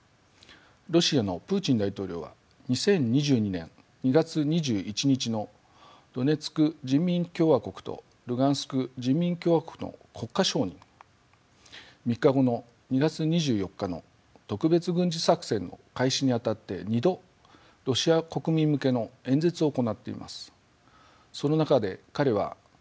ロシアのプーチン大統領は２０２２年２月２１日のドネツク人民共和国とルガンスク人民共和国の国家承認３日後の２月２４日の特別軍事作戦の開始にあたって２度ロシア国民向けの演説を行っています。